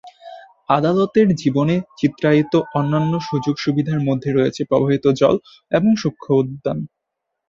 আদালতের জীবনের চিত্রায়িত অন্যান্য সুযোগ-সুবিধার মধ্যে রয়েছে প্রবাহিত জল এবং সূক্ষ্ম উদ্যান।